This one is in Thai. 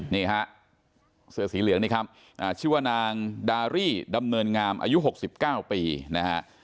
นี่ฮะเสื้อสีเหลืองนี่ครับชื่อว่านางดารี่ดำเนินงามอายุ๖๙ปีนะฮะ